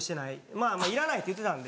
まぁいらないって言ってたんで。